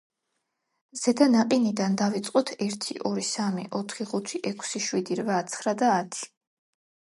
ზედა ნაყინიდან დავიწყოთ: ერთი, ორი, სამი, ოთხი, ხუთი, ექვსი, შვიდი, რვა, ცხრა და ათი.